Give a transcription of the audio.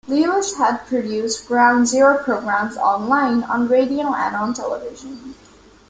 Lewis has produced Ground Zero programs online, on radio and on television.